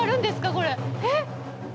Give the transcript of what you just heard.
これえっ。